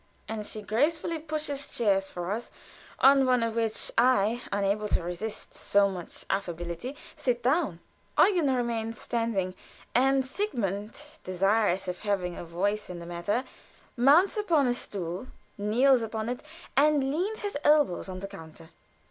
And she gracefully pushes chairs for us; on one of which I, unable to resist so much affability, sit down. Eugen remains standing; and Sigmund, desirous of having a voice in the matter, mounts upon his stool, kneels upon it, and leans his elbows on the counter.